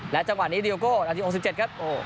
และจังหวะนี้เดียโอโกนาทีหกสิบเจ็ดครับโห